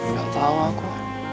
gak tau aku